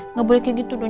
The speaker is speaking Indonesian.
nggak boleh kayak gitu dong